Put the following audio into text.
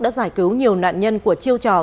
đã giải cứu nhiều nạn nhân của chiêu trò